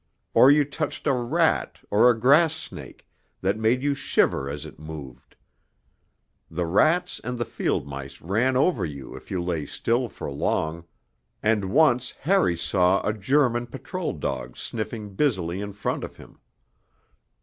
Or you touched a rat or a grass snake that made you shiver as it moved; the rats and the field mice ran over you if you lay still for long, and once Harry saw a German patrol dog sniffing busily in front of him.